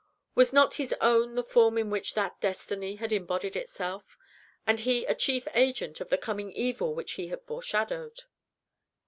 Was not his own the form in which that Destiny had embodied itself, and he a chief agent of the coming evil which he had foreshadowed?